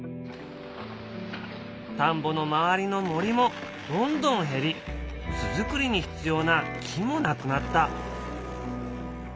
田んぼの周りの森もどんどん減り巣作りに必要な木もなくなった。